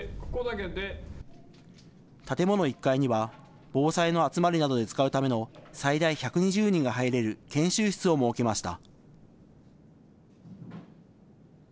建物１階には防災の集まりなどで使うための最大１２０人が入れる研修室を設けました。